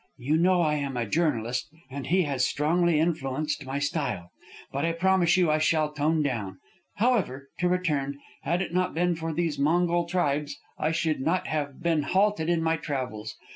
"You know I am a journalist, and he has strongly influenced my style. But I promise you I shall tone down. However, to return, had it not been for these Mongol tribes, I should not have been halted in my travels.